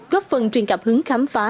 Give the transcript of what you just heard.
góp phần truyền cảm hứng khám phá